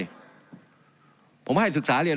การปรับปรุงทางพื้นฐานสนามบิน